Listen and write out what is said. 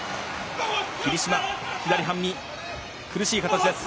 霧島、左半身、苦しい形です。